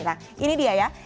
nah ini dia ya